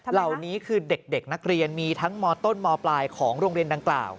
เหล่านี้คือเด็กนักเรียนมีทั้งมต้นมปลายของโรงเรียนดังกล่าว